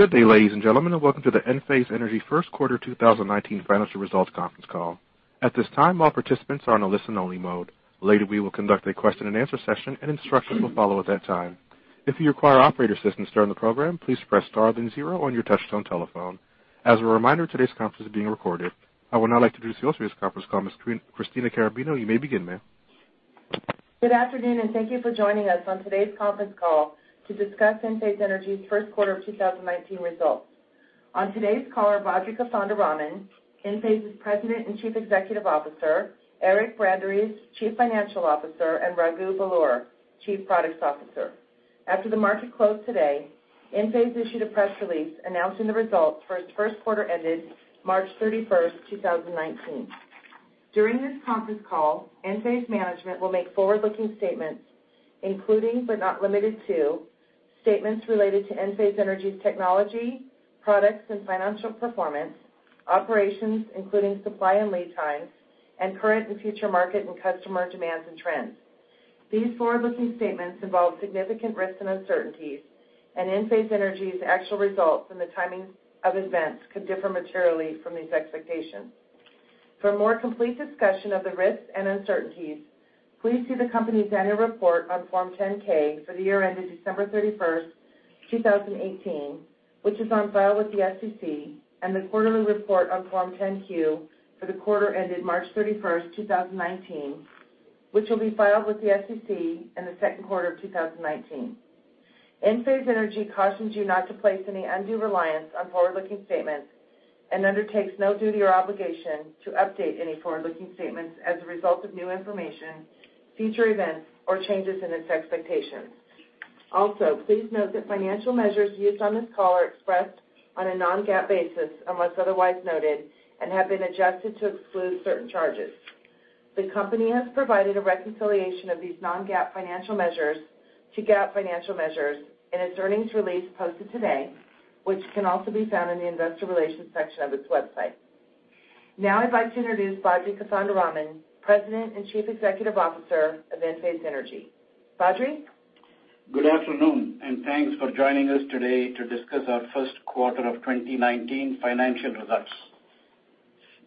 Good day, ladies and gentlemen, welcome to the Enphase Energy first quarter 2019 financial results conference call. At this time, all participants are on a listen only mode. Later, we will conduct a question and answer session, instructions will follow at that time. If you require operator assistance during the program, please press star then zero on your touchtone telephone. As a reminder, today's conference is being recorded. I would now like to introduce the host of today's conference call, Ms. Christina Carrabino. You may begin, ma'am. Good afternoon, thank you for joining us on today's conference call to discuss Enphase Energy's first quarter of 2019 results. On today's call are Badri Kothandaraman, Enphase's President and Chief Executive Officer, Eric Branderiz, Chief Financial Officer, and Raghu Belur, Chief Products Officer. After the market closed today, Enphase issued a press release announcing the results for its first quarter ended March 31st, 2019. During this conference call, Enphase management will make forward-looking statements, including, but not limited to, statements related to Enphase Energy's technology, products, and financial performance, operations, including supply and lead times, and current and future market and customer demands and trends. These forward-looking statements involve significant risks and uncertainties, Enphase Energy's actual results and the timing of events could differ materially from these expectations. For a more complete discussion of the risks and uncertainties, please see the company's annual report on Form 10-K for the year ended December 31st, 2018, which is on file with the SEC, and the quarterly report on Form 10-Q for the quarter ended March 31st, 2019, which will be filed with the SEC in the second quarter of 2019. Enphase Energy cautions you not to place any undue reliance on forward-looking statements and undertakes no duty or obligation to update any forward-looking statements as a result of new information, future events, or changes in its expectations. Please note that financial measures used on this call are expressed on a non-GAAP basis, unless otherwise noted, and have been adjusted to exclude certain charges. The company has provided a reconciliation of these non-GAAP financial measures to GAAP financial measures in its earnings release posted today, which can also be found in the investor relations section of its website. Now I'd like to introduce Badri Kothandaraman, President and Chief Executive Officer of Enphase Energy. Badri? Good afternoon. Thanks for joining us today to discuss our first quarter of 2019 financial results.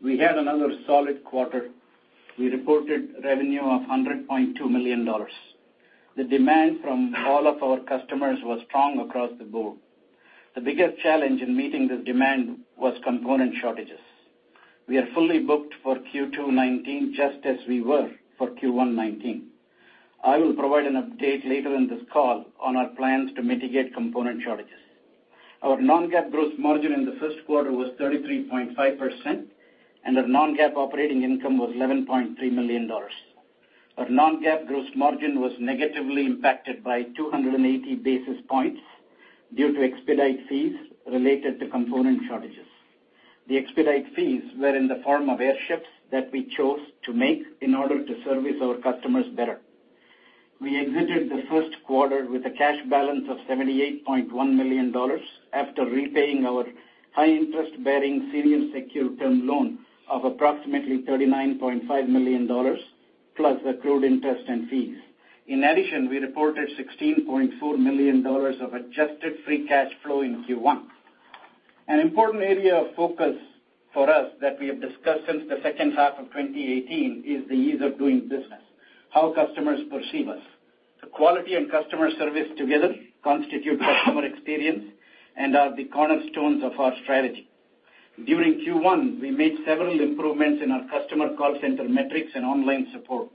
We had another solid quarter. We reported revenue of $100.2 million. The demand from all of our customers was strong across the board. The biggest challenge in meeting this demand was component shortages. We are fully booked for Q2 2019, just as we were for Q1 2019. I will provide an update later in this call on our plans to mitigate component shortages. Our non-GAAP gross margin in the first quarter was 33.5%, and our non-GAAP operating income was $11.3 million. Our non-GAAP gross margin was negatively impacted by 280 basis points due to expedite fees related to component shortages. The expedite fees were in the form of airships that we chose to make in order to service our customers better. We exited the first quarter with a cash balance of $78.1 million after repaying our high interest-bearing senior secured term loan of approximately $39.5 million, plus accrued interest and fees. In addition, we reported $16.4 million of adjusted free cash flow in Q1. An important area of focus for us that we have discussed since the second half of 2018 is the ease of doing business, how customers perceive us. The quality and customer service together constitute customer experience and are the cornerstones of our strategy. During Q1, we made several improvements in our customer call center metrics and online support.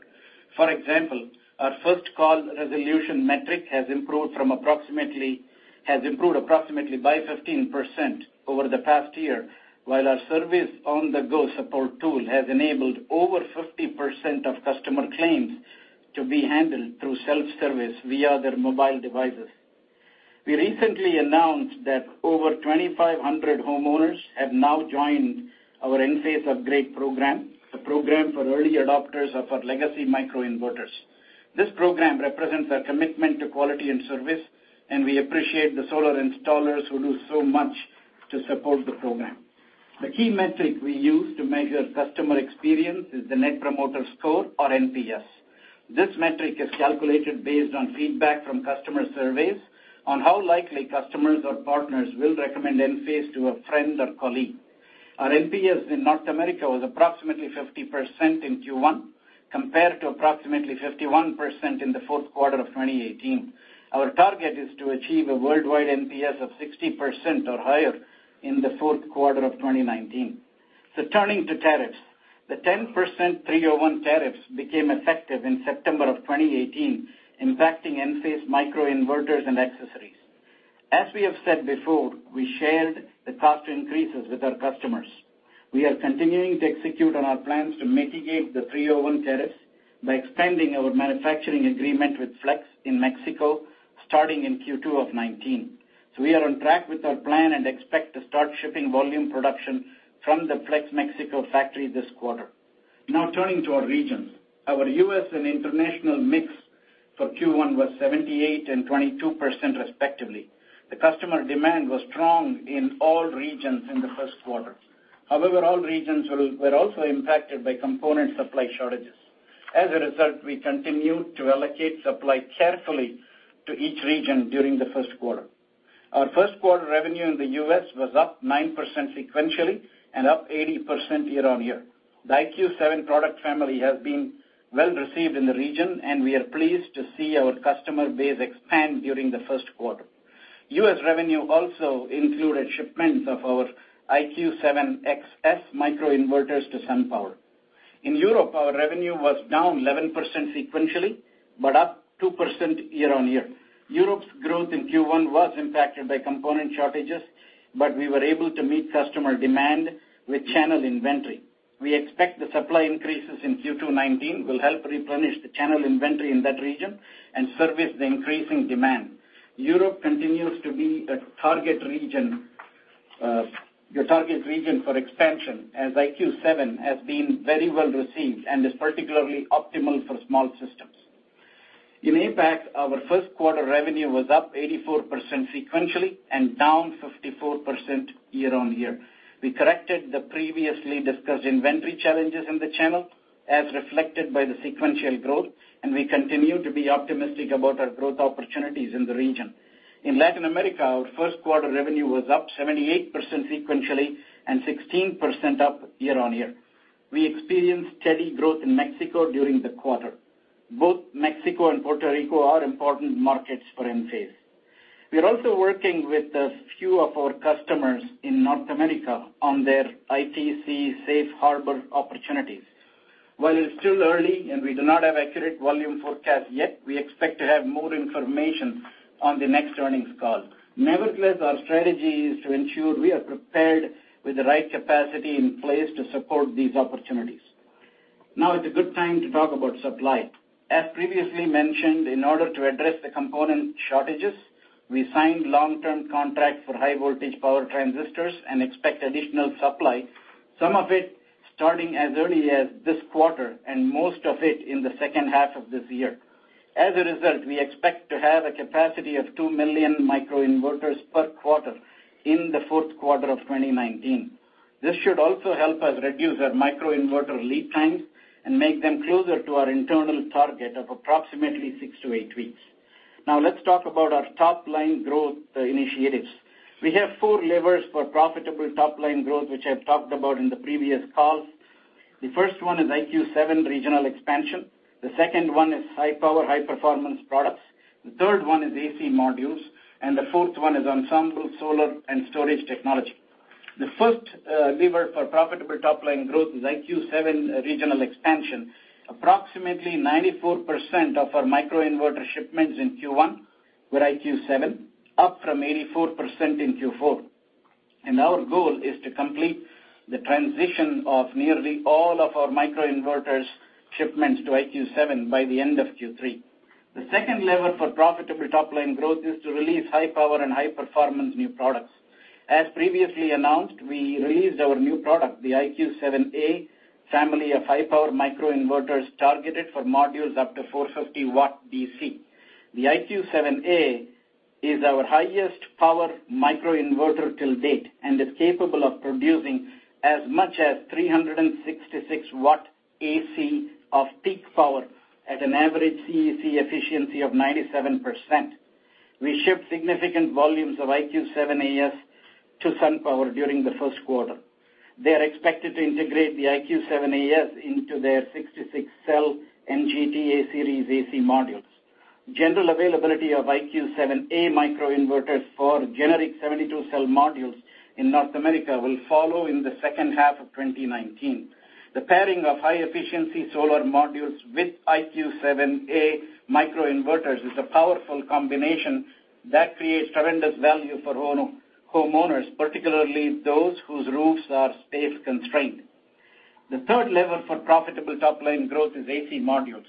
For example, our first call resolution metric has improved approximately by 15% over the past year, while our Service-on-the-Go support tool has enabled over 50% of customer claims to be handled through self-service via their mobile devices. We recently announced that over 2,500 homeowners have now joined our Enphase Upgrade Program, a program for early adopters of our legacy microinverters. This program represents our commitment to quality and service, and we appreciate the solar installers who do so much to support the program. The key metric we use to measure customer experience is the Net Promoter Score, or NPS. This metric is calculated based on feedback from customer surveys on how likely customers or partners will recommend Enphase to a friend or colleague. Our NPS in North America was approximately 50% in Q1, compared to approximately 51% in the fourth quarter of 2018. Our target is to achieve a worldwide NPS of 60% or higher in the fourth quarter of 2019. Turning to tariffs. The 10% 301 tariffs became effective in September of 2018, impacting Enphase microinverters and accessories. As we have said before, we shared the cost increases with our customers. We are continuing to execute on our plans to mitigate the 301 tariffs by expanding our manufacturing agreement with Flex in Mexico starting in Q2 of 2019. We are on track with our plan and expect to start shipping volume production from the Flex Mexico factory this quarter. Turning to our regions. Our U.S. and international mix for Q1 was 78% and 22% respectively. The customer demand was strong in all regions in the first quarter. However, all regions were also impacted by component supply shortages. As a result, we continue to allocate supply carefully to each region during the first quarter. Our first quarter revenue in the U.S. was up 9% sequentially and up 80% year-on-year. The IQ 7 product family has been well-received in the region, and we are pleased to see our customer base expand during the first quarter. U.S. revenue also included shipments of our IQ 7X S microinverters to SunPower. In Europe, our revenue was down 11% sequentially, but up 2% year-on-year. Europe's growth in Q1 was impacted by component shortages, but we were able to meet customer demand with channel inventory. We expect the supply increases in Q2 2019 will help replenish the channel inventory in that region and service the increasing demand. Europe continues to be a target region for expansion, as IQ 7 has been very well-received and is particularly optimal for small systems. In APAC, our first quarter revenue was up 84% sequentially and down 54% year-on-year. We corrected the previously discussed inventory challenges in the channel, as reflected by the sequential growth, and we continue to be optimistic about our growth opportunities in the region. In Latin America, our first quarter revenue was up 78% sequentially and 16% up year-on-year. We experienced steady growth in Mexico during the quarter. Both Mexico and Puerto Rico are important markets for Enphase. We are also working with a few of our customers in North America on their ITC safe harbor opportunities. While it's still early and we do not have accurate volume forecast yet, we expect to have more information on the next earnings call. Nevertheless, our strategy is to ensure we are prepared with the right capacity in place to support these opportunities. Now is a good time to talk about supply. As previously mentioned, in order to address the component shortages, we signed long-term contracts for high-voltage power transistors and expect additional supply, some of it starting as early as this quarter and most of it in the second half of this year. As a result, we expect to have a capacity of 2 million microinverters per quarter in the fourth quarter of 2019. This should also help us reduce our microinverter lead times and make them closer to our internal target of approximately six to eight weeks. Now, let's talk about our top-line growth initiatives. We have four levers for profitable top-line growth, which I've talked about in the previous calls. The first one is IQ 7 regional expansion, the second one is high-power, high-performance products, the third one is AC modules, and the fourth one is Ensemble Solar and Storage technology. The first lever for profitable top-line growth is IQ 7 regional expansion. Approximately 94% of our microinverter shipments in Q1 were IQ 7, up from 84% in Q4. Our goal is to complete the transition of nearly all of our microinverters shipments to IQ 7 by the end of Q3. The second lever for profitable top-line growth is to release high-power and high-performance new products. As previously announced, we released our new product, the IQ 7A family of high-power microinverters targeted for modules up to 450 W DC. The IQ 7A is our highest power microinverter till date and is capable of producing as much as 366 W AC of peak power at an average CEC efficiency of 97%. We shipped significant volumes of IQ 7A's to SunPower during the first quarter. They are expected to integrate the IQ 7A's into their 66-cell NGTA series AC modules. General availability of IQ 7A microinverters for generic 72-cell modules in North America will follow in the second half of 2019. The pairing of high-efficiency solar modules with IQ 7A microinverters is a powerful combination that creates tremendous value for homeowners, particularly those whose roofs are space-constrained. The third lever for profitable top-line growth is AC modules.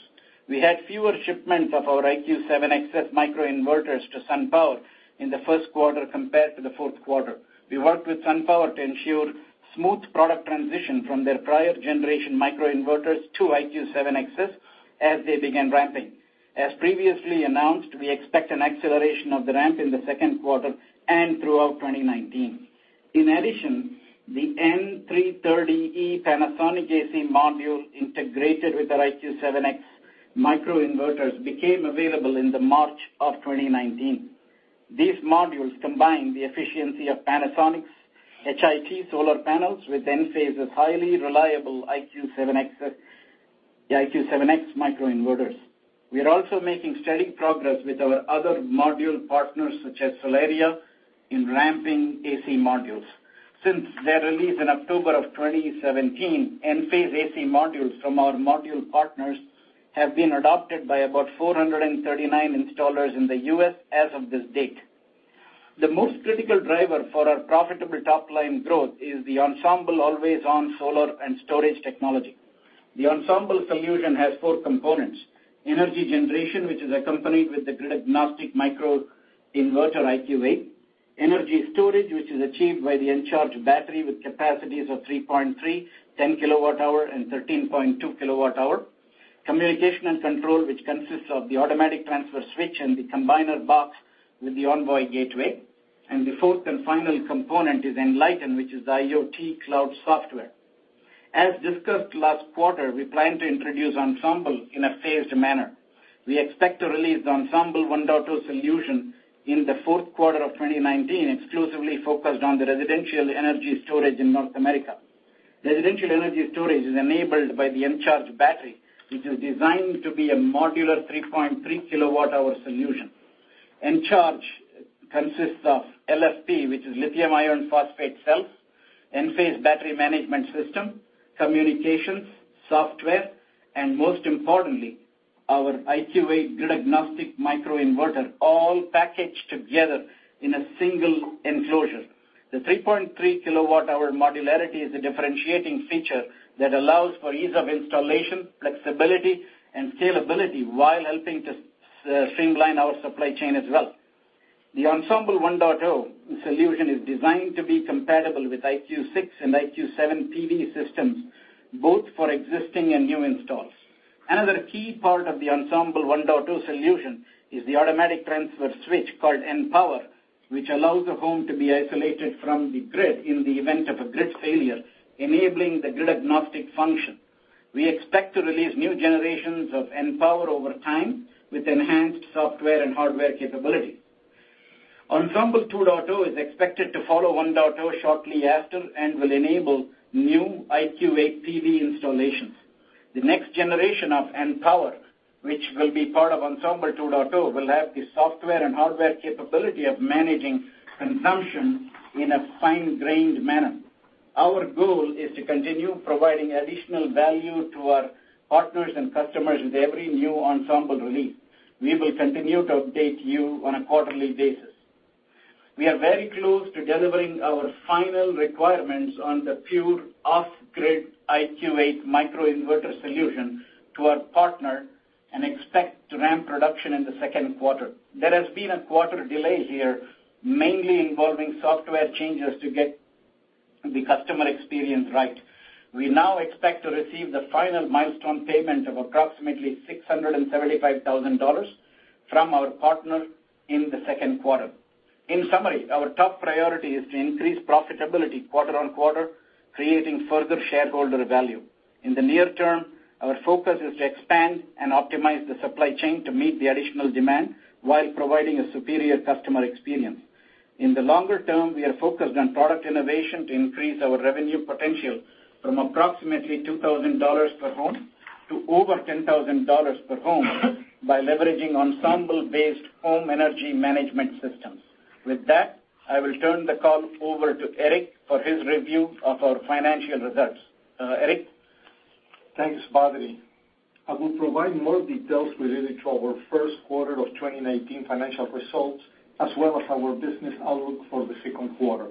We had fewer shipments of our IQ 7X microinverters to SunPower in the first quarter compared to the fourth quarter. We worked with SunPower to ensure smooth product transition from their prior generation microinverters to IQ 7X as they began ramping. As previously announced, we expect an acceleration of the ramp in the second quarter and throughout 2019. In addition, the N330E Panasonic AC module integrated with our IQ 7X microinverters became available in March of 2019. These modules combine the efficiency of Panasonic's HIT solar panels with Enphase's highly reliable IQ 7X microinverters. We are also making steady progress with our other module partners, such as Solaria, in ramping AC modules. Since their release in October of 2017, Enphase AC modules from our module partners have been adopted by about 439 installers in the U.S. as of this date. The most critical driver for our profitable top-line growth is the Ensemble Always-On Solar and Storage technology. The Ensemble solution has four components: energy generation, which is accompanied with the grid-agnostic microinverter IQ8; energy storage, which is achieved by the Encharge battery with capacities of 3.3, 10 kilowatt-hour, and 13.2 kilowatt-hour; communication and control, which consists of the automatic transfer switch and the combiner box with the Envoy gateway. The fourth and final component is Enlighten, which is the IoT cloud software. As discussed last quarter, we plan to introduce Ensemble in a phased manner. We expect to release the Ensemble 1.0 solution in the fourth quarter of 2019, exclusively focused on the residential energy storage in North America. Residential energy storage is enabled by the Encharge battery, which is designed to be a modular 3.3 kilowatt-hour solution. Encharge consists of LFP, which is lithium iron phosphate cells, Enphase battery management system, communications, software, and most importantly, our IQ8 grid-agnostic microinverter, all packaged together in a single enclosure. The 3.3 kilowatt-hour modularity is a differentiating feature that allows for ease of installation, flexibility, and scalability, while helping to streamline our supply chain as well. The Ensemble 1.0 solution is designed to be compatible with IQ 6 and IQ 7 PV systems, both for existing and new installs. Another key part of the Ensemble 1.0 solution is the automatic transfer switch, called Enpower, which allows the home to be isolated from the grid in the event of a grid failure, enabling the grid-agnostic function. We expect to release new generations of Enpower over time with enhanced software and hardware capability. Ensemble 2.0 is expected to follow 1.0 shortly after and will enable new IQ8 PV installations. The next generation of Enpower, which will be part of Ensemble 2.0, will have the software and hardware capability of managing consumption in a fine-grained manner. Our goal is to continue providing additional value to our partners and customers with every new Ensemble release. We will continue to update you on a quarterly basis. We are very close to delivering our final requirements on the pure off-grid IQ8 microinverter solution to our partner and expect to ramp production in the second quarter. There has been a quarter delay here, mainly involving software changes to get the customer experience right. We now expect to receive the final milestone payment of approximately $675,000 from our partner in the second quarter. In summary, our top priority is to increase profitability quarter-on-quarter, creating further shareholder value. In the near term, our focus is to expand and optimize the supply chain to meet the additional demand while providing a superior customer experience. In the longer term, we are focused on product innovation to increase our revenue potential from approximately $2,000 per home to over $10,000 per home by leveraging Ensemble-based home energy management systems. With that, I will turn the call over to Eric for his review of our financial results. Eric? Thanks, Badri. I will provide more details relating to our first quarter of 2019 financial results, as well as our business outlook for the second quarter.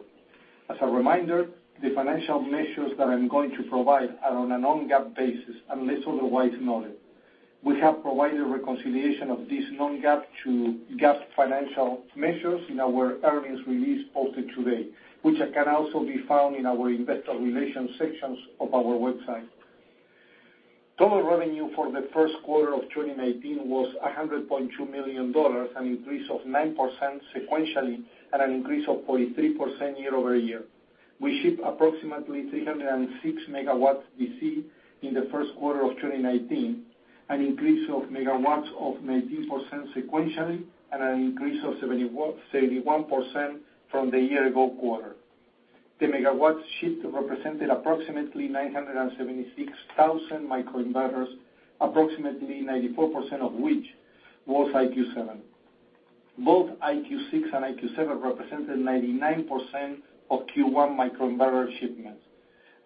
As a reminder, the financial measures that I'm going to provide are on a non-GAAP basis, unless otherwise noted. We have provided reconciliation of these non-GAAP to GAAP financial measures in our earnings release posted today, which can also be found in our investor relations sections of our website. Total revenue for the first quarter of 2019 was $100.2 million, an increase of 9% sequentially and an increase of 43% year-over-year. We shipped approximately 306 megawatts DC in the first quarter of 2019, an increase of megawatts of 19% sequentially and an increase of 71% from the year ago quarter. The megawatts shipped represented approximately 976,000 microinverters, approximately 94% of which was IQ7. Both IQ6 and IQ7 represented 99% of Q1 microinverter shipments.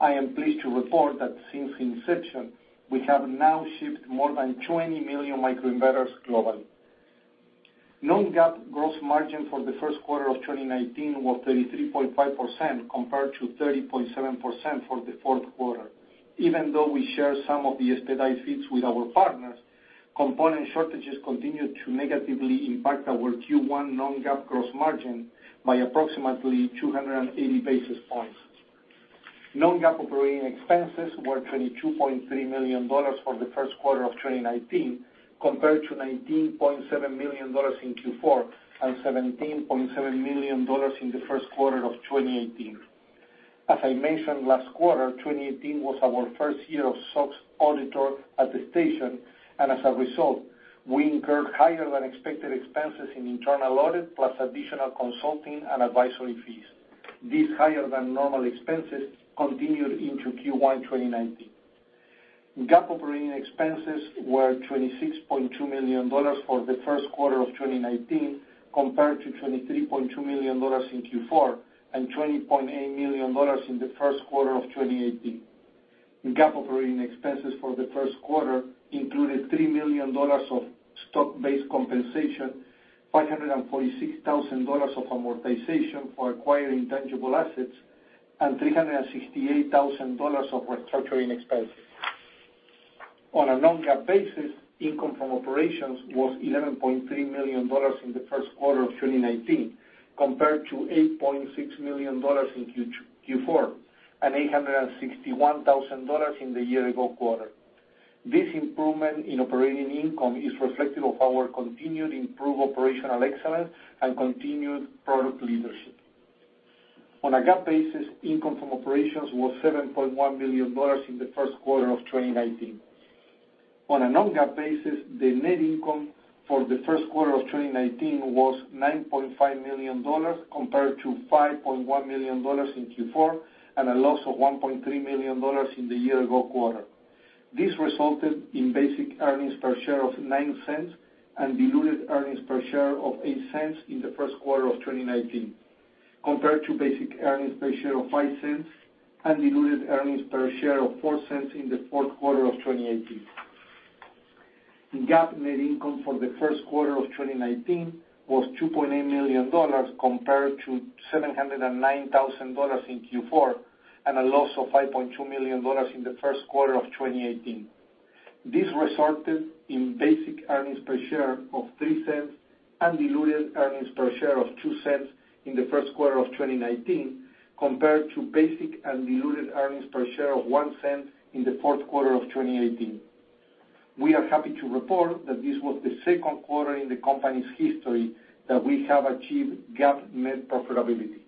I am pleased to report that since inception, we have now shipped more than 20 million microinverters globally. Non-GAAP gross margin for the first quarter of 2019 was 33.5% compared to 30.7% for the fourth quarter. Even though we share some of the expedite fees with our partners, component shortages continued to negatively impact our Q1 non-GAAP gross margin by approximately 280 basis points. Non-GAAP operating expenses were $22.3 million for the first quarter of 2019, compared to $19.7 million in Q4, and $17.7 million in the first quarter of 2018. As a result, we incurred higher than expected expenses in internal audit, plus additional consulting and advisory fees. These higher than normal expenses continued into Q1 2019. GAAP operating expenses were $26.2 million for the first quarter of 2019, compared to $23.2 million in Q4, and $20.8 million in the first quarter of 2018. GAAP operating expenses for the first quarter included $3 million of stock-based compensation, $546,000 of amortization for acquiring tangible assets, and $368,000 of restructuring expenses. On a non-GAAP basis, income from operations was $11.3 million in the first quarter of 2019, compared to $8.6 million in Q4, and $861,000 in the year ago quarter. This improvement in operating income is reflective of our continued improved operational excellence and continued product leadership. On a GAAP basis, income from operations was $7.1 million in the first quarter of 2019. On a non-GAAP basis, the net income for the first quarter of 2019 was $9.5 million, compared to $5.1 million in Q4, and a loss of $1.3 million in the year ago quarter. This resulted in basic earnings per share of $0.09 and diluted earnings per share of $0.08 in the first quarter of 2019, compared to basic earnings per share of $0.05 and diluted earnings per share of $0.04 in the fourth quarter of 2018. In GAAP, net income for the first quarter of 2019 was $2.8 million compared to $709,000 in Q4, and a loss of $5.2 million in the first quarter of 2018. This resulted in basic earnings per share of $0.03 and diluted earnings per share of $0.02 in the first quarter of 2019 compared to basic and diluted earnings per share of $0.01 in the fourth quarter of 2018. We are happy to report that this was the second quarter in the company's history that we have achieved GAAP net profitability.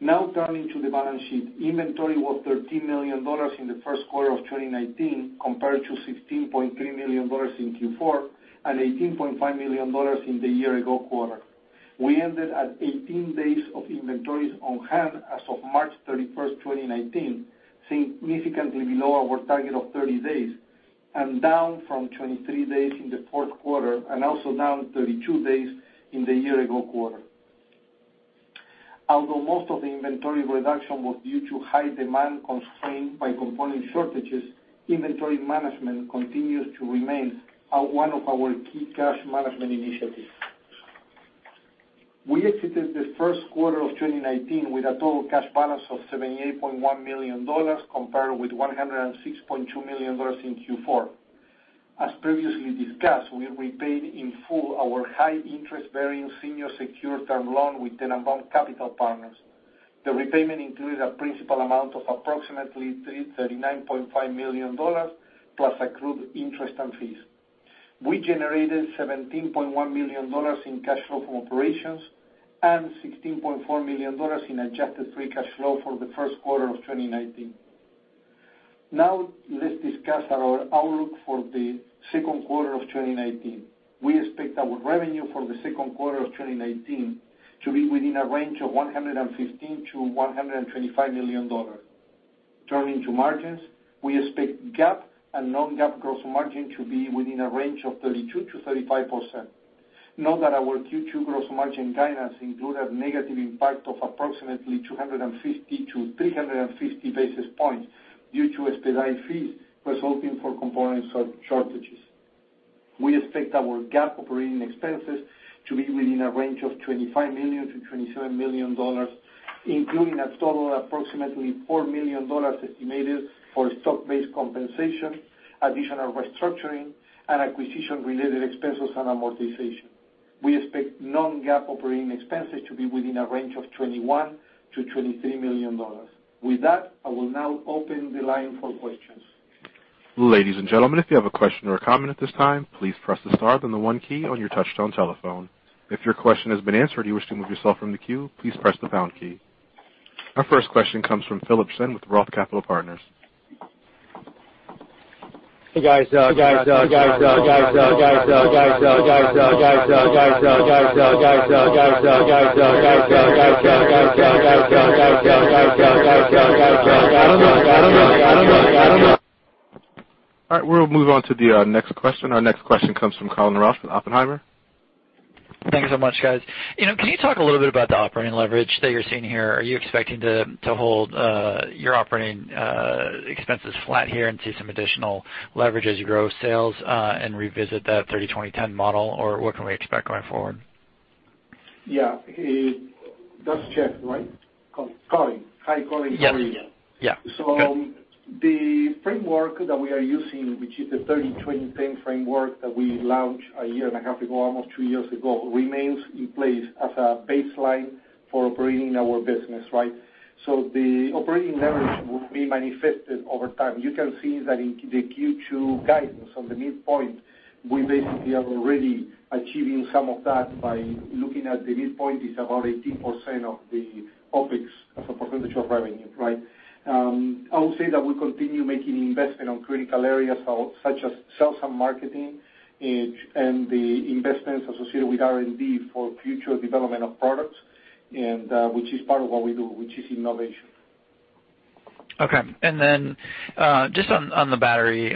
Now turning to the balance sheet. Inventory was $13 million in the first quarter of 2019, compared to $16.3 million in Q4, and $18.5 million in the year ago quarter. We ended at 18 days of inventories on hand as of March 31st, 2019, significantly below our target of 30 days, and down from 23 days in the fourth quarter, and also down 32 days in the year ago quarter. Although most of the inventory reduction was due to high demand constrained by component shortages, inventory management continues to remain one of our key cash management initiatives. We exited the first quarter of 2019 with a total cash balance of $78.1 million, compared with $106.2 million in Q4. As previously discussed, we repaid in full our high interest bearing senior secured term loan with Tennenbaum Capital Partners. The repayment included a principal amount of approximately $39.5 million, plus accrued interest and fees. We generated $17.1 million in cash flow from operations and $16.4 million in adjusted free cash flow for the first quarter of 2019. Now let's discuss our outlook for the second quarter of 2019. We expect our revenue for the second quarter of 2019 to be within a range of $115 million-$125 million. Turning to margins, we expect GAAP and non-GAAP gross margin to be within a range of 32%-35%. Note that our Q2 gross margin guidance include a negative impact of approximately 250-350 basis points due to expedite fees resulting for component shortages. We expect our GAAP operating expenses to be within a range of $25 million-$27 million, including a total of approximately $4 million estimated for stock-based compensation, additional restructuring, and acquisition related expenses and amortization. We expect non-GAAP operating expenses to be within a range of $21 million-$23 million. With that, I will now open the line for questions. Ladies and gentlemen, if you have a question or a comment at this time, please press the star then the one key on your touchtone telephone. If your question has been answered and you wish to remove yourself from the queue, please press the pound key. Our first question comes from Philip Shen with ROTH Capital Partners. Hey, guys. All right. We'll move on to the next question. Our next question comes from Colin Rusch with Oppenheimer. Thanks so much, guys. Can you talk a little bit about the operating leverage that you're seeing here? Are you expecting to hold your operating expenses flat here and see some additional leverage as you grow sales, and revisit that 30/20/10 model, or what can we expect going forward? Yeah. That's Chad, right? Colin. Hi, Colin. How are you? Yes. Yeah. Okay. The framework that we are using, which is the 30/20/10 framework that we launched a year and a half ago, almost two years ago, remains in place as a baseline for operating our business, right? The operating leverage will be manifested over time. You can see that in the Q2 guidance on the midpoint, we basically are already achieving some of that by looking at the midpoint is about 18% of the OpEx as a percentage of revenue, right? I would say that we continue making investment on critical areas such as sales and marketing and the investments associated with R&D for future development of products, which is part of what we do, which is innovation. Okay. Just on the battery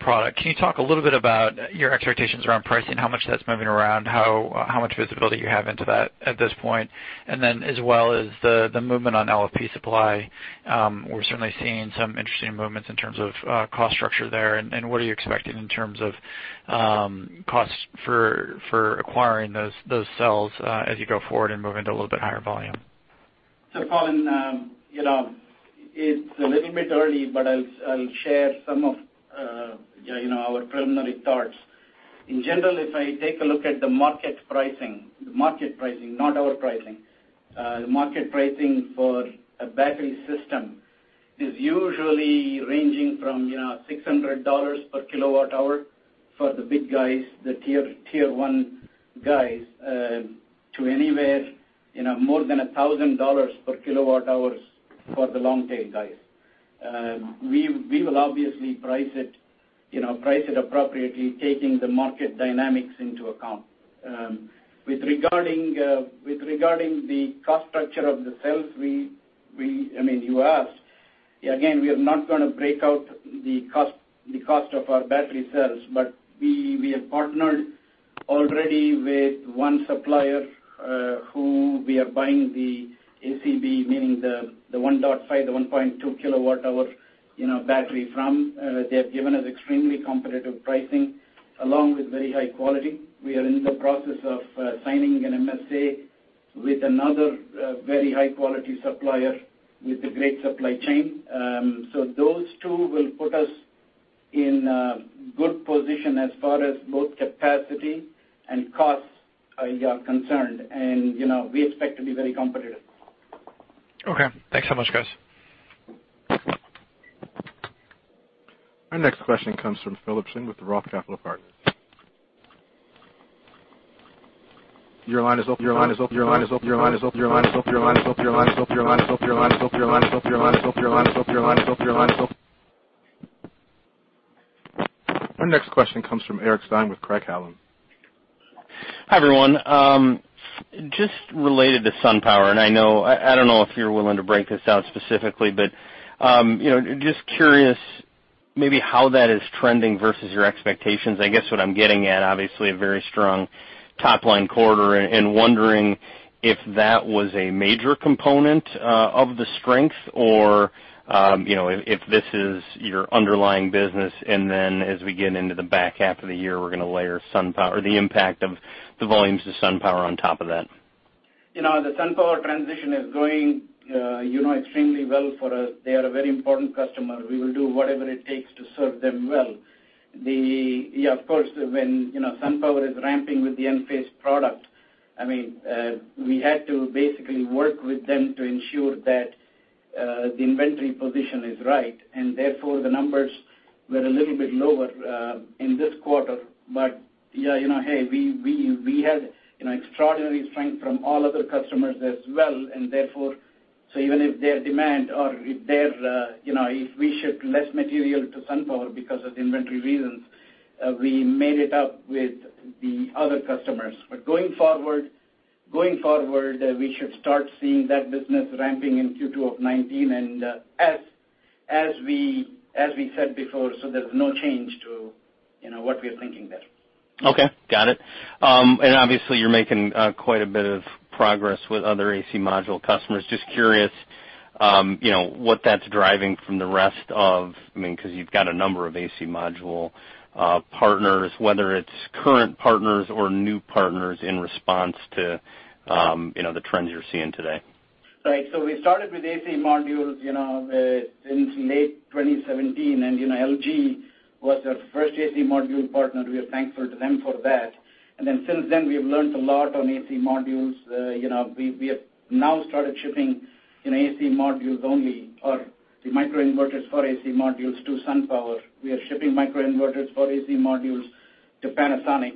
product, can you talk a little bit about your expectations around pricing, how much that's moving around, how much visibility you have into that at this point? As well as the movement on LFP supply, we're certainly seeing some interesting movements in terms of cost structure there, what are you expecting in terms of costs for acquiring those cells as you go forward and move into a little bit higher volume? Colin, it's a little bit early, but I'll share some of our preliminary thoughts. In general, if I take a look at the market pricing, not our pricing. The market pricing for a battery system is usually ranging from $600 per kilowatt hour for the big guys, the tier 1 guys, to anywhere more than $1,000 per kilowatt hours for the long tail guys. We will obviously price it appropriately, taking the market dynamics into account. With regarding the cost structure of the cells, you asked. Again, we are not going to break out the cost of our battery cells, but we have partnered already with one supplier, who we are buying the ACB, meaning the 1.5, the 1.2 kilowatt hour battery from. They have given us extremely competitive pricing, along with very high quality. We are in the process of signing an MSA with another very high-quality supplier with a great supply chain. Those two will put us in a good position as far as both capacity and costs are concerned. We expect to be very competitive. Okay. Thanks so much, guys. Our next question comes from Philip Shen with ROTH Capital Partners. Your line is open. Our next question comes from Eric Stine with Craig-Hallum. Hi, everyone. I don't know if you're willing to break this out specifically, just curious maybe how that is trending versus your expectations. I guess what I'm getting at, obviously, a very strong top-line quarter and wondering if that was a major component of the strength or, if this is your underlying business, then as we get into the back half of the year, we're going to layer the impact of the volumes of SunPower on top of that. The SunPower transition is going extremely well for us. They are a very important customer. We will do whatever it takes to serve them well. Of course, when SunPower is ramping with the Enphase product, we had to basically work with them to ensure that the inventory position is right, therefore the numbers were a little bit lower in this quarter. We had extraordinary strength from all other customers as well, therefore, even if their demand or if we ship less material to SunPower because of inventory reasons, we made it up with the other customers. Going forward, we should start seeing that business ramping in Q2 of 2019, as we said before, there's no change to what we are thinking there. Okay. Got it. Obviously you're making quite a bit of progress with other AC module customers. Just curious, what that's driving from the rest of because you've got a number of AC module partners, whether it's current partners or new partners in response to the trends you're seeing today. Right. We started with AC modules in late 2017. LG was our first AC module partner. We are thankful to them for that. Since then, we have learned a lot on AC modules. We have now started shipping AC modules only, or the microinverters for AC modules to SunPower. We are shipping microinverters for AC modules to Panasonic.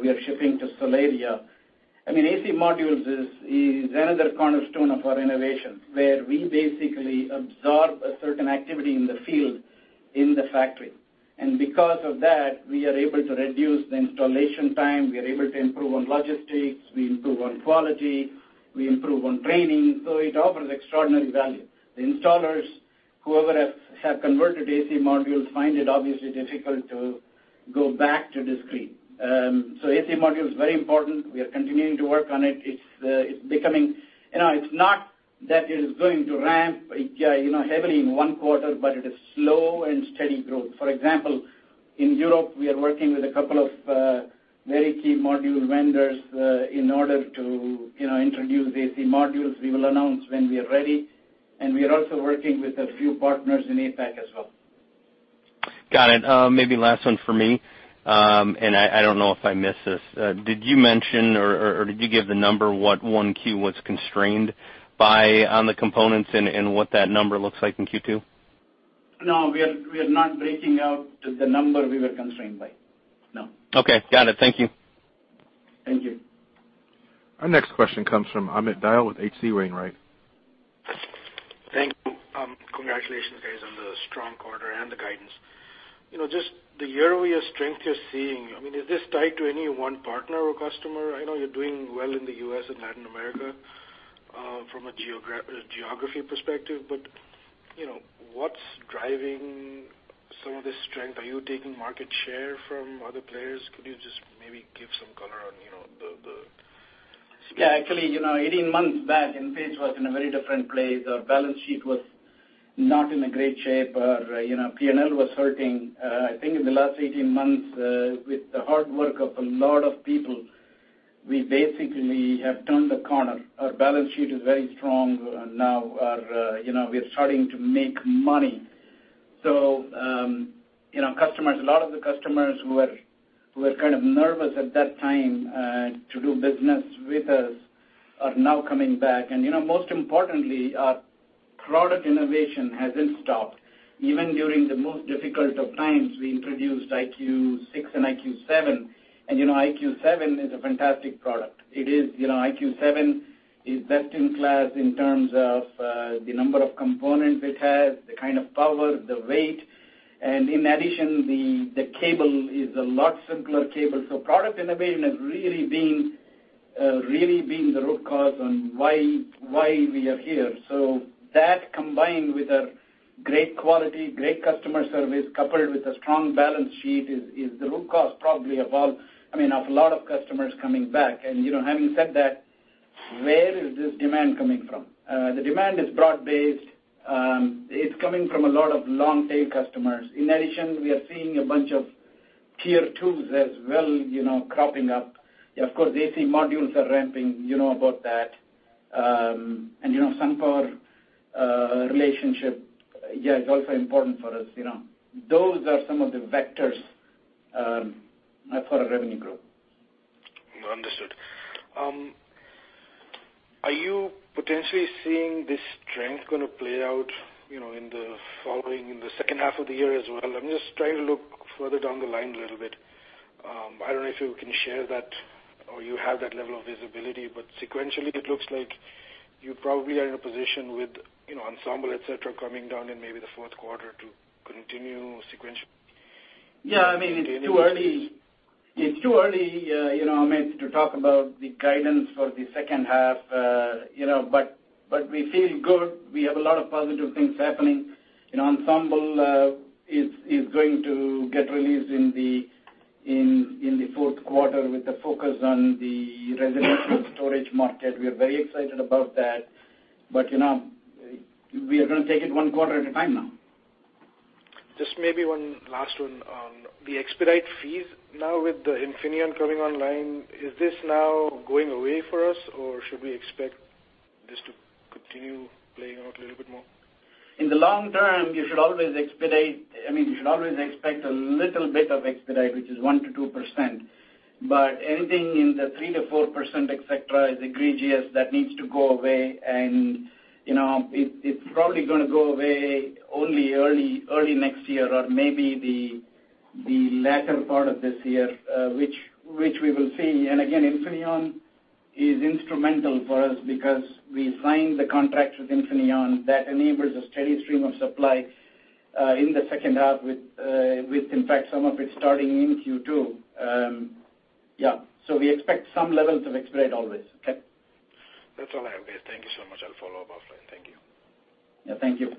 We are shipping to Solaria. AC modules is another cornerstone of our innovation, where we basically absorb a certain activity in the field in the factory. Because of that, we are able to reduce the installation time, we are able to improve on logistics, we improve on quality, we improve on training. It offers extraordinary value. The installers, whoever have converted AC modules, find it obviously difficult to go back to discrete. AC module is very important. We are continuing to work on it. It's not that it is going to ramp heavily in one quarter, it is slow and steady growth. For example, in Europe, we are working with a couple of very key module vendors in order to introduce AC modules. We will announce when we are ready. We are also working with a few partners in APAC as well. Got it. Maybe last one from me. I don't know if I missed this. Did you mention, did you give the number what 1Q was constrained by on the components and what that number looks like in Q2? No, we are not breaking out the number we were constrained by. No. Okay. Got it. Thank you. Thank you. Our next question comes from Amit Dayal with H.C. Wainwright. Thank you. Congratulations, guys, on the strong quarter and the guidance. Just the year-over-year strength you're seeing, is this tied to any one partner or customer? I know you're doing well in the U.S. and Latin America, from a geography perspective. What's driving some of the strength? Are you taking market share from other players? Could you just maybe give some color on the. Yeah, actually, 18 months back, Enphase was in a very different place. Our balance sheet was not in a great shape. Our P&L was hurting. I think in the last 18 months, with the hard work of a lot of people, we basically have turned the corner. Our balance sheet is very strong now. We're starting to make money. A lot of the customers who were kind of nervous at that time to do business with us are now coming back. Most importantly, our product innovation hasn't stopped. Even during the most difficult of times, we introduced IQ6 and IQ7. IQ7 is a fantastic product. IQ7 is best in class in terms of the number of components it has, the kind of power, the weight. In addition, the cable is a lot simpler cable. Product innovation has really been the root cause on why we are here. That, combined with a great quality, great customer service, coupled with a strong balance sheet, is the root cause, probably, of a lot of customers coming back. Having said that, where is this demand coming from? The demand is broad-based. It's coming from a lot of long-tail customers. In addition, we are seeing a bunch of tier 2s as well cropping up. Of course, AC modules are ramping. You know about that. SunPower relationship, yeah, is also important for us. Those are some of the vectors for our revenue growth. Understood. Are you potentially seeing this trend going to play out in the following, in the second half of the year as well? I'm just trying to look further down the line a little bit. I don't know if you can share that or you have that level of visibility, but sequentially, it looks like you probably are in a position with Ensemble, et cetera, coming down in maybe the fourth quarter to continue sequential. Yeah. It's too early, Amit, to talk about the guidance for the second half. We feel good. We have a lot of positive things happening. Ensemble is going to get released in the fourth quarter with the focus on the residential storage market. We are very excited about that. We are going to take it one quarter at a time now. Just maybe one last one. On the expedite fees now with the Infineon coming online, is this now going away for us, or should we expect this to continue playing out a little bit more? In the long term, you should always expect a little bit of expedite, which is 1%-2%. Anything in the 3%-4% et cetera, is egregious. That needs to go away, and it's probably going to go away only early next year or maybe the latter part of this year, which we will see. Again, Infineon is instrumental for us because we signed the contract with Infineon that enables a steady stream of supply in the second half with, in fact, some of it starting in Q2. Yeah. We expect some levels of expedite always. Okay. That's all I have. Okay. Thank you so much. I'll follow up offline. Thank you. Yeah. Thank you.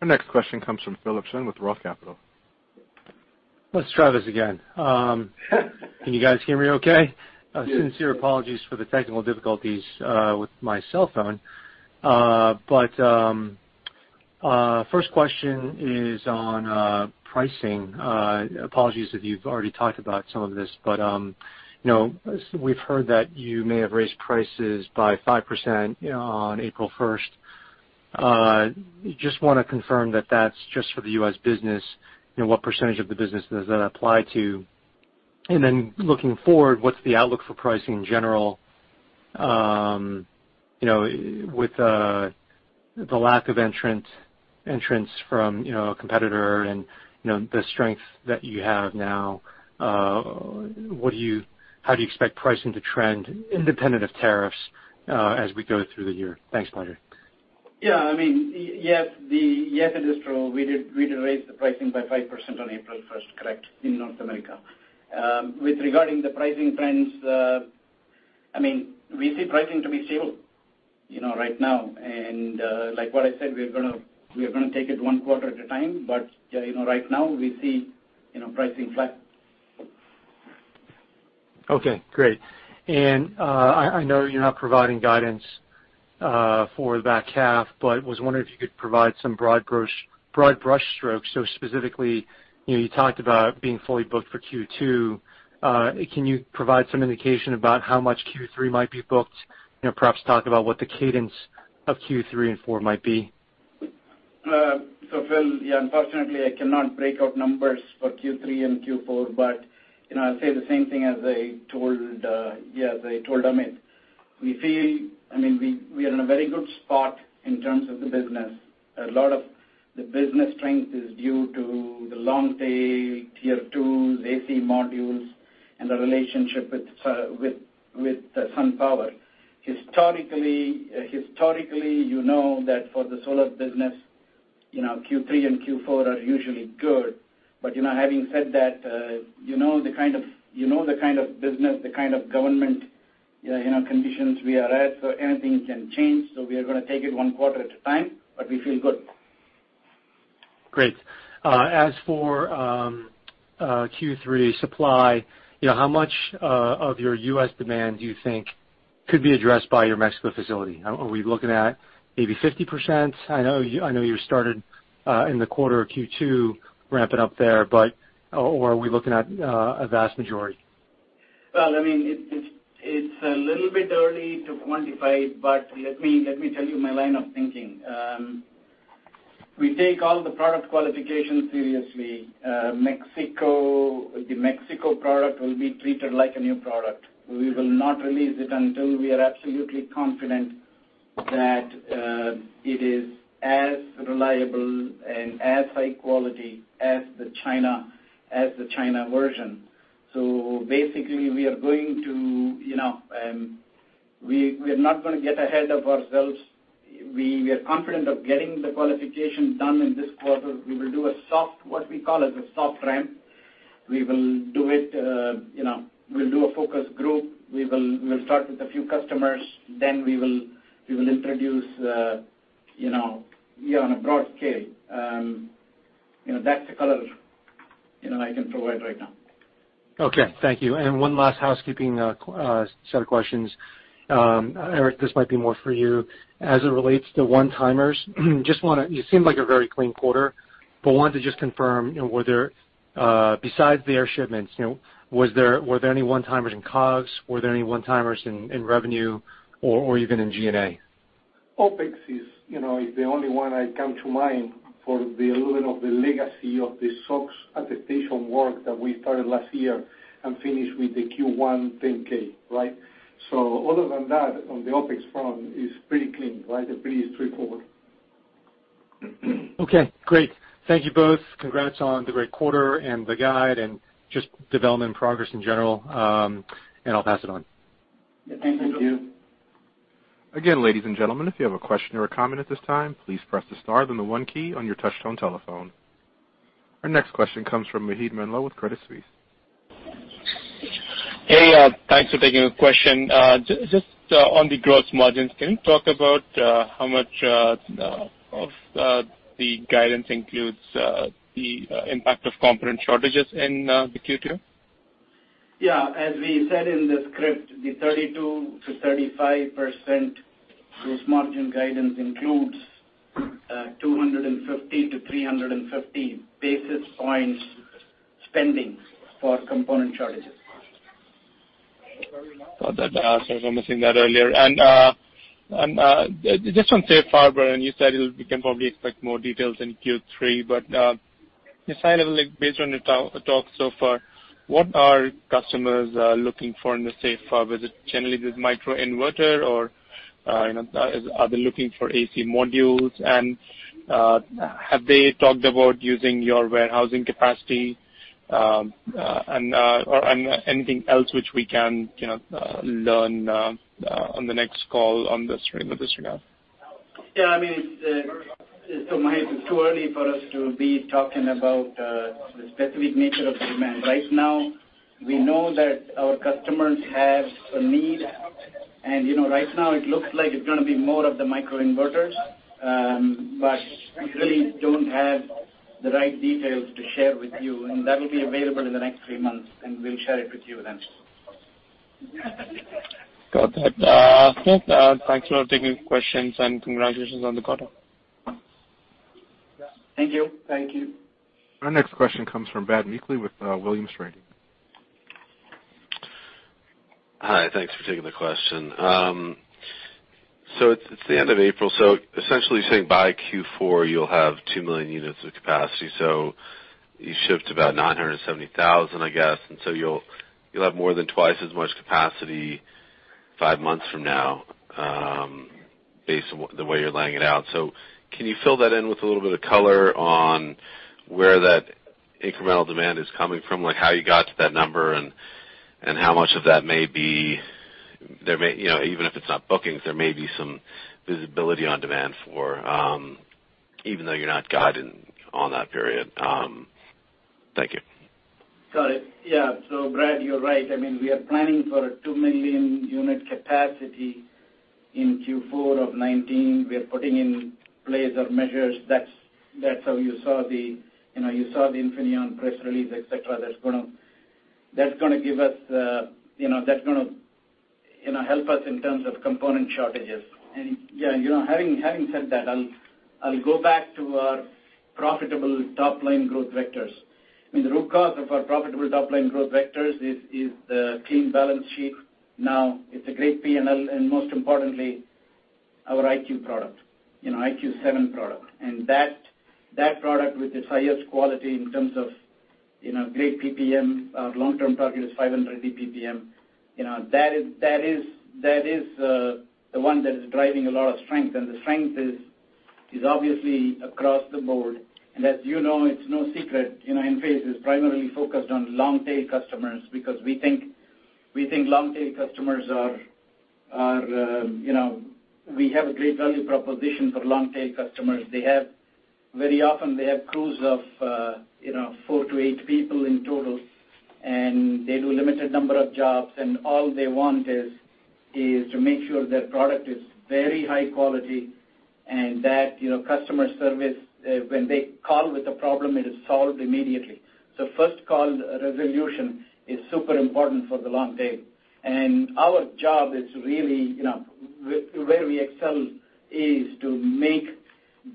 Our next question comes from Philip Shen with ROTH Capital. It's Travis again. Can you guys hear me okay? Yes. Sincere apologies for the technical difficulties with my cell phone. First question is on pricing. Apologies if you've already talked about some of this, but we've heard that you may have raised prices by 5% on April 1st. Just want to confirm that that's just for the U.S. business. What percentage of the business does that apply to? Looking forward, what's the outlook for pricing in general? With the lack of entrants from a competitor and the strength that you have now, how do you expect pricing to trend independent of tariffs as we go through the year? Thanks, [Mayur]. Yeah. Yes, it is true. We did raise the pricing by 5% on April 1st, correct, in North America. With regarding the pricing trends, we see pricing to be stable right now. Like what I said, we're going to take it one quarter at a time, right now we see pricing flat. Okay, great. I know you're not providing guidance for the back half, was wondering if you could provide some broad brush strokes. Specifically, you talked about being fully booked for Q2. Can you provide some indication about how much Q3 might be booked? Perhaps talk about what the cadence of Q3 and four might be. Phil, yeah, unfortunately, I cannot break out numbers for Q3 and Q4, I'll say the same thing as I told Amit. We are in a very good spot in terms of the business. A lot of the business strength is due to the long tail, tier 2s, AC modules, and the relationship with SunPower. Historically, you know that for the solar business, Q3 and Q4 are usually good. Having said that, you know the kind of business, the kind of government conditions we are at, anything can change. We are going to take it one quarter at a time, but we feel good. Great. As for Q3 supply, how much of your U.S. demand do you think could be addressed by your Mexico facility? Are we looking at maybe 50%? I know you started in the quarter of Q2 ramping up there, are we looking at a vast majority? Well, it's a little bit early to quantify, let me tell you my line of thinking. We take all the product qualification seriously. The Mexico product will be treated like a new product. We will not release it until we are absolutely confident that it is as reliable and as high quality as the China version. Basically, we are not going to get ahead of ourselves. We are confident of getting the qualification done in this quarter. We will do what we call as a soft ramp. We'll do a focus group. We'll start with a few customers, we will introduce on a broad scale. That's the color I can provide right now. Okay, thank you. One last housekeeping set of questions. Eric, this might be more for you. As it relates to one-timers, it seemed like a very clean quarter, but wanted to just confirm, besides the air shipments, were there any one-timers in COGS? Were there any one-timers in revenue or even in G&A? OpEx is the only one I come to mind for the little of the legacy of the SOX attestation work that we started last year and finished with the Q1 10-K, right? Other than that, on the OpEx front, it's pretty clean, right? It's pretty straightforward. Okay, great. Thank you both. Congrats on the great quarter and the guide and just development progress in general. I'll pass it on. Thank you. Thank you. Ladies and gentlemen, if you have a question or a comment at this time, please press the star then the one key on your touchtone telephone. Our next question comes from Maheep Mandloi with Credit Suisse. Hey, thanks for taking the question. Just on the gross margins, can you talk about how much of the guidance includes the impact of component shortages in the Q2? Yeah. As we said in the script, the 32%-35% gross margin guidance includes 250-350 basis points spending for component shortages. Got that. Sorry if I missed that earlier. Just on safe harbor, you said we can probably expect more details in Q3, but just high level based on the talk so far, what are customers looking for in the safe harbor? Is it generally this microinverter or are they looking for AC modules? Have they talked about using your warehousing capacity, anything else which we can learn on the next call on this or this right now? Yeah. Maheep, it's too early for us to be talking about the specific nature of demand. Right now, we know that our customers have a need, right now it looks like it's going to be more of the microinverters. We really don't have the right details to share with you, that will be available in the next three months, we'll share it with you then. Got that. Thanks a lot for taking the questions, congratulations on the quarter. Yeah. Thank you. Thank you. Our next question comes from Brad Meikle with Williams Trading. Hi. Thanks for taking the question. It's the end of April, essentially saying by Q4 you'll have 2 million units of capacity. You shipped about 970,000, I guess. You'll have more than twice as much capacity five months from now, based on the way you're laying it out. Can you fill that in with a little bit of color on where that incremental demand is coming from? Like, how you got to that number and how much of that may be, even if it's not bookings, there may be some visibility on demand for, even though you're not guiding on that period. Thank you. Got it. Yeah. Brad, you're right. We are planning for a 2 million-unit capacity in Q4 of 2019. We are putting in place our measures. That's how you saw the Infineon press release, et cetera. That's going to help us in terms of component shortages. Yeah, having said that, I'll go back to our profitable top-line growth vectors. The root cause of our profitable top-line growth vectors is the clean balance sheet. It's a great P&L, most importantly, our IQ product, IQ7 product. That product with its highest quality in terms of great PPM. Our long-term target is 500 PPM. That is the one that is driving a lot of strength. The strength is obviously across the board. As you know, it's no secret, Enphase is primarily focused on long-tail customers because we think long-tail customers. We have a great value proposition for long-tail customers. Very often they have crews of 4 to 8 people in total, and they do limited number of jobs, and all they want is to make sure their product is very high quality. And that customer service, when they call with a problem, it is solved immediately. So first call resolution is super important for the long tail. Our job is really, where we excel is to make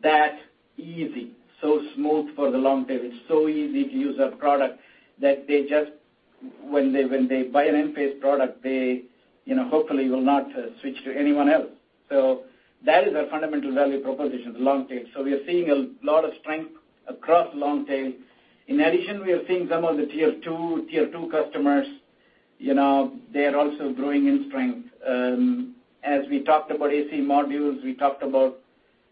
that easy, so smooth for the long tail. It's so easy to use our product that they just, when they buy an Enphase product, they hopefully will not switch to anyone else. That is our fundamental value proposition, the long tail. We are seeing a lot of strength across long tail. In addition, we are seeing some of the tier 2 customers, they are also growing in strength. As we talked about AC modules, we talked about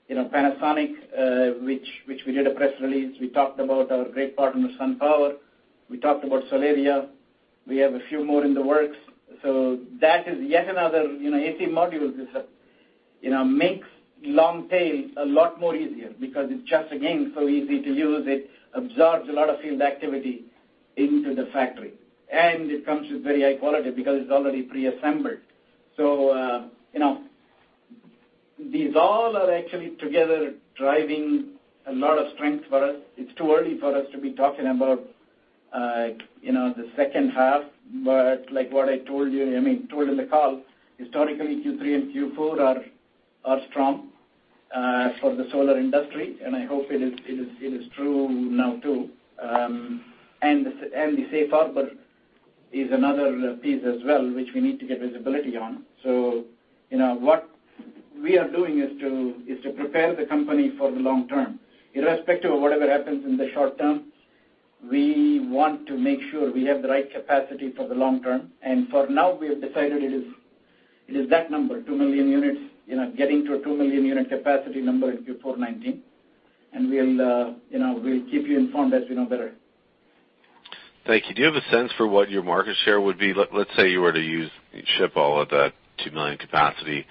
Panasonic, which we did a press release. We talked about our great partner, SunPower. We talked about Solaria. We have a few more in the works. That is yet another, AC modules makes long tail a lot more easier because it's just, again, so easy to use. It absorbs a lot of field activity into the factory. And it comes with very high quality because it's already pre-assembled. These all are actually together driving a lot of strength for us. It's too early for us to be talking about the second half. But like what I told you, I mean, told in the call, historically, Q3 and Q4 are strong for the solar industry, and I hope it is true now, too. The safe harbor is another piece as well, which we need to get visibility on. What we are doing is to prepare the company for the long term. Irrespective of whatever happens in the short term, we want to make sure we have the right capacity for the long term. For now, we have decided it is that number, 2 million units, getting to a 2 million-unit capacity number in Q4 2019. We'll keep you informed as we know better. Thank you. Do you have a sense for what your market share would be? Let's say you were to use, ship all of that 2 million capacity.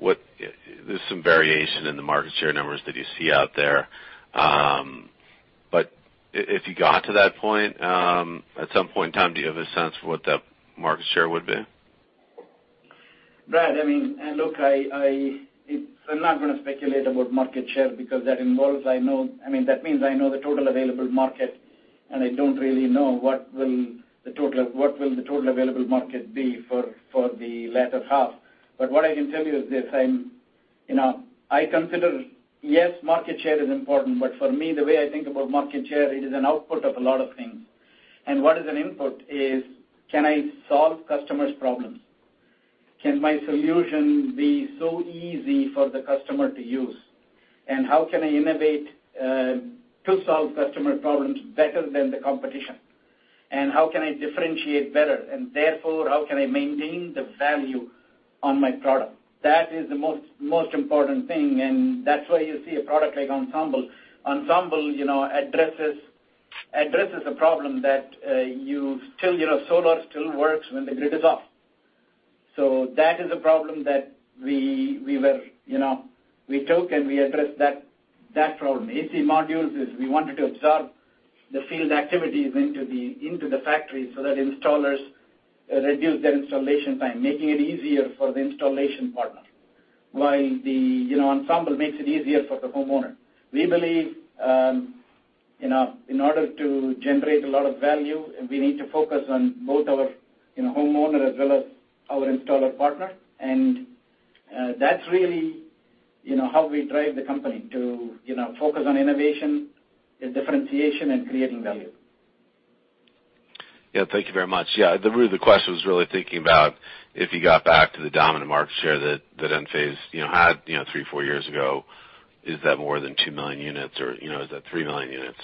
There's some variation in the market share numbers that you see out there. But if you got to that point, at some point in time, do you have a sense for what that market share would be? Brad, I mean, look, I'm not going to speculate about market share because that involves, That means I know the total available market, and I don't really know what will the total available market be for the latter half. What I can tell you is this. I consider, yes, market share is important, but for me, the way I think about market share, it is an output of a lot of things. What is an input is, can I solve customers' problems? Can my solution be so easy for the customer to use? How can I innovate to solve customer problems better than the competition? How can I differentiate better? Therefore, how can I maintain the value on my product? That is the most important thing, and that's why you see a product like Ensemble. Ensemble addresses a problem that Solar still works when the grid is off. That is a problem that we took, and we addressed that problem. AC modules is we wanted to absorb the field activities into the factory so that installers reduce their installation time, making it easier for the installation partner. While the Ensemble makes it easier for the homeowner. We believe, in order to generate a lot of value, we need to focus on both our homeowner as well as our installer partner. That's really how we drive the company to focus on innovation and differentiation and creating value. Yeah. Thank you very much. The root of the question was really thinking about if you got back to the dominant market share that Enphase had 3, 4 years ago. Is that more than 2 million units or is that 3 million units?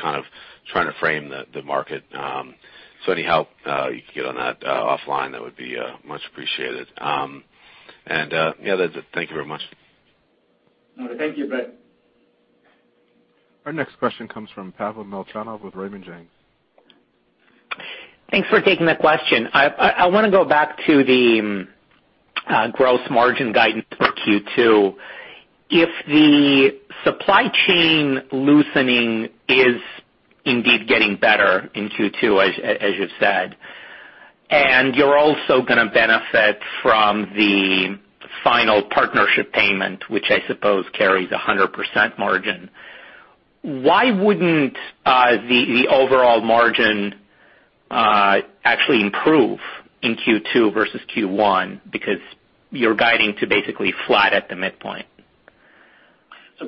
Kind of trying to frame the market. Any help you could give on that offline, that would be much appreciated. That's it. Thank you very much. Thank you, Brad. Our next question comes from Pavel Molchanov with Raymond James. Thanks for taking the question. I want to go back to the gross margin guidance for Q2. If the supply chain loosening is indeed getting better in Q2, as you've said, and you're also going to benefit from the final partnership payment, which I suppose carries 100% margin, why wouldn't the overall margin actually improve in Q2 versus Q1? Because you're guiding to basically flat at the midpoint.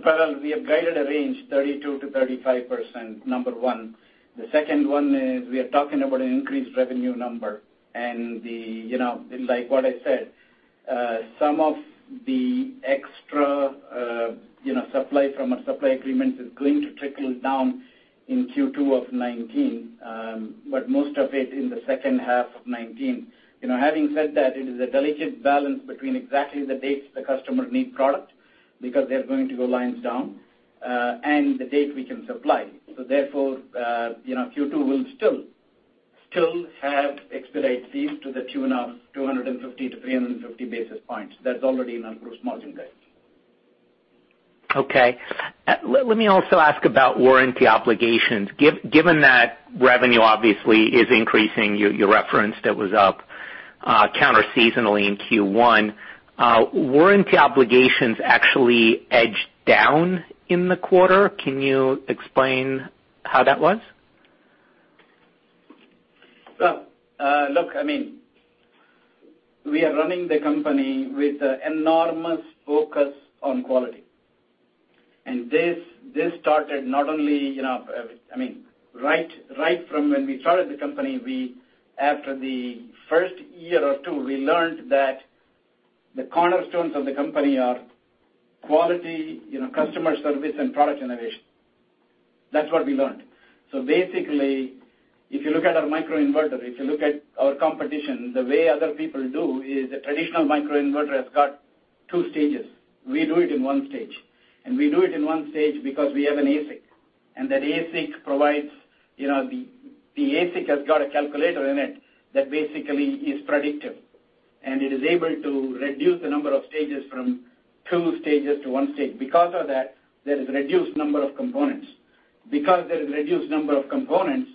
Pavel, we have guided a range, 32%-35%, number one. The second one is we are talking about an increased revenue number. Like what I said, some of the extra supply from our supply agreement is going to trickle down in Q2 of 2019, but most of it in the second half of 2019. Having said that, it is a delicate balance between exactly the dates the customers need product, because they're going to go lines down, and the date we can supply. Therefore, Q2 will still have expedite fees to the tune of 250-350 basis points. That's already in our gross margin guidance. Okay. Let me also ask about warranty obligations. Given that revenue obviously is increasing, you referenced it was up counter seasonally in Q1. Warranty obligations actually edged down in the quarter. Can you explain how that was? Well, look, we are running the company with enormous focus on quality. This started not only, right from when we started the company, after the first year or two, we learned that the cornerstones of the company are quality, customer service and product innovation. That's what we learned. Basically, if you look at our microinverter, if you look at our competition, the way other people do is a traditional microinverter has got 2 stages. We do it in 1 stage. We do it in 1 stage because we have an ASIC. That ASIC provides, the ASIC has got a calculator in it that basically is predictive, and it is able to reduce the number of stages from 2 stages to 1 stage. Because of that, there is a reduced number of components. Because there's a reduced number of components,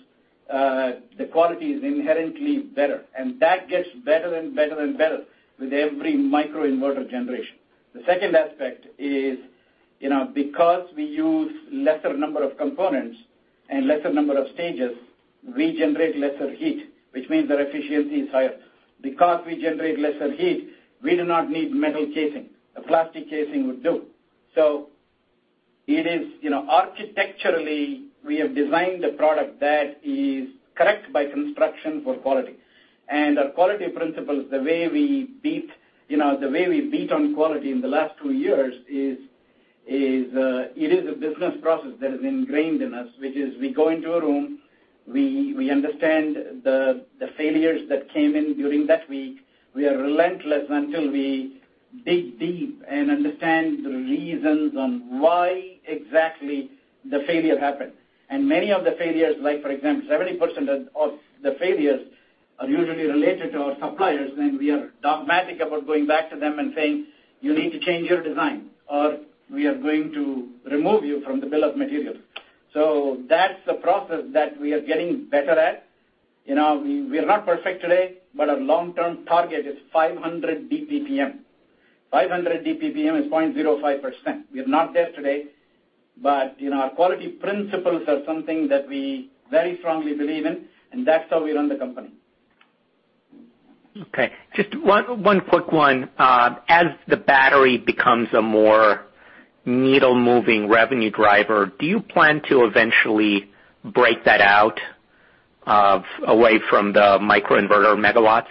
the quality is inherently better, and that gets better and better and better with every microinverter generation. The second aspect is, because we use lesser number of components and lesser number of stages, we generate lesser heat, which means our efficiency is higher. Because we generate lesser heat, we do not need metal casing. A plastic casing would do. It is, architecturally, we have designed a product that is correct by construction for quality. Our quality principles, the way we beat on quality in the last two years is, it is a business process that is ingrained in us. Which is, we go into a room, we understand the failures that came in during that week. We are relentless until we dig deep and understand the reasons on why exactly the failure happened. Many of the failures, like for example, 70% of the failures are usually related to our suppliers, then we are dogmatic about going back to them and saying, "You need to change your design, or we are going to remove you from the bill of materials." That's the process that we are getting better at. We are not perfect today, but our long-term target is 500 DPPM. 500 DPPM is 0.05%. We are not there today, but our quality principles are something that we very strongly believe in, and that's how we run the company. Okay. Just one quick one. As the battery becomes a more needle-moving revenue driver, do you plan to eventually break that out away from the microinverter megawatts?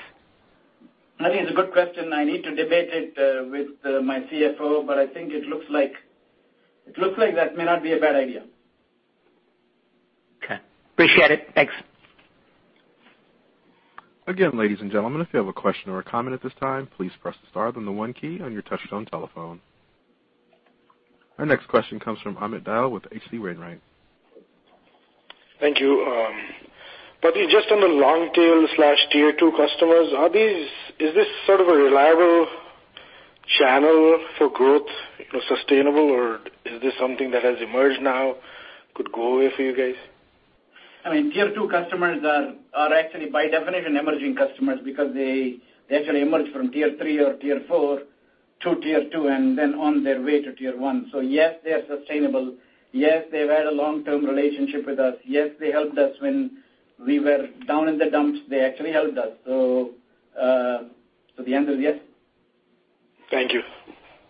I think it's a good question. I need to debate it with my CFO, but I think it looks like that may not be a bad idea. Okay. Appreciate it. Thanks. Again, ladies and gentlemen, if you have a question or a comment at this time, please press the star then the one key on your touch-tone telephone. Our next question comes from Amit Dayal with H.C. Wainwright. Thank you. Badri, just on the long tail/tier 2 customers, is this sort of a reliable channel for growth sustainable, or is this something that has emerged now, could go away for you guys? Tier 2 customers are actually by definition emerging customers because they actually emerge from tier 3 or tier 4 to tier 2 and then on their way to tier 1. Yes, they are sustainable. Yes, they've had a long-term relationship with us. Yes, they helped us when we were down in the dumps. They actually helped us. The answer is yes. Thank you.